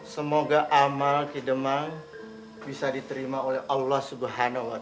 semoga amal kidemang bisa diterima oleh allah subhanallah